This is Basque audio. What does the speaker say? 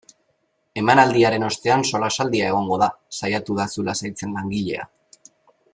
Emanaldiaren ostean solasaldia egongo da, saiatu da zu lasaitzen langilea.